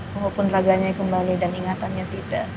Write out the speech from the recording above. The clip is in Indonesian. maupun raganya kembali dan ingatannya tidak